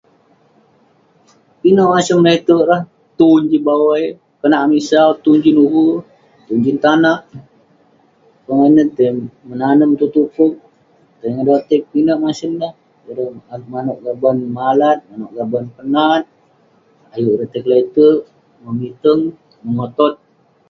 Pinek masem le'terk lah, tun jin bawai konak amik sau..tun jin uve, tun jin tanak, pongah ineh tai menanem tong tuan..tai ngedotek, pinek masem lah..manouk gaban malat, ireh manouk gaban penart, ayuk ireh tai tai kle'terk..memitang, memokot..